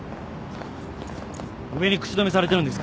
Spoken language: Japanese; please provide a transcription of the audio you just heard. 上に口止めされてるんですか？